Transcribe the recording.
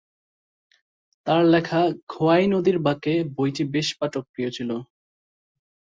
তার লেখা ‘খোয়াই নদীর বাঁকে’ বইটি বেশ পাঠক প্রিয় ছিল।